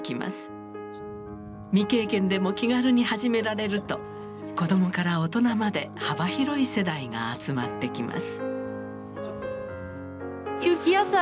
未経験でも気軽に始められると子どもから大人まで幅広い世代が集まってきます。